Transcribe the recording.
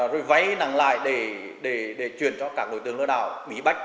rồi váy nặng lại để chuyển cho các đối tượng lừa đảo bị bách